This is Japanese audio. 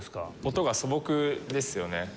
音が素朴ですよね。